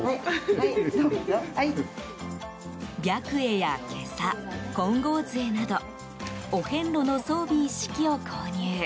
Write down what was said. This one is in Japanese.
白衣や袈裟、金剛杖などお遍路の装備一式を購入。